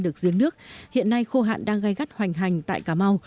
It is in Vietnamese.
được giếng nước hiện nay khô hạn đang gai gắt hoành hành tại cà mau